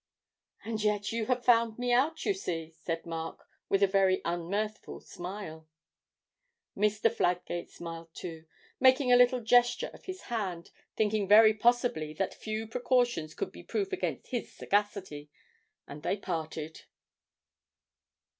'And yet you have found me out, you see,' said Mark, with a very unmirthful smile. Mr. Fladgate smiled, too, making a little gesture of his hand, thinking very possibly that few precautions could be proof against his sagacity, and they parted.